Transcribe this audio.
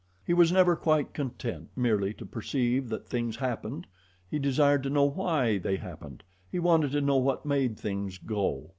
He was never quite content merely to perceive that things happened he desired to know WHY they happened. He wanted to know what made things go.